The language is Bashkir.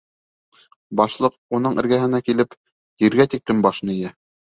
Башлыҡ, уның эргәһенә килеп, ергә тиклем башын эйә: